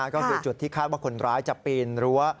ก็คือจุดที่คาดว่าคนร้ายจะปีนรั้ว